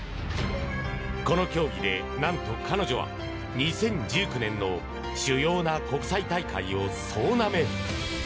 この競技で、何と彼女は２０１９年の主要な国際大会を総なめ。